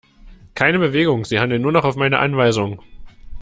Keine Bewegung, sie handeln nur noch auf meine Anweisung!